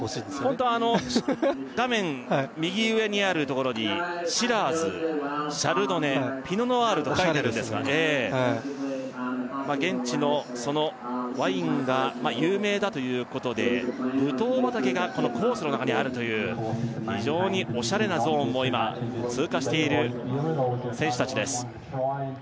ホントは画面右上にあるところにシラーズシャルドネピノノワールと書いてあるんですがええ現地のワインが有名だということでぶどう畑がこのコースの中にあるという非常にオシャレなゾーンを今通過している選手達です